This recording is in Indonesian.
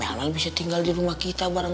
ian ian ian ian